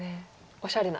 おしゃれな。